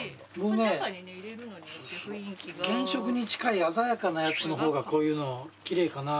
原色に近い鮮やかなやつの方がこういうの奇麗かなと思って。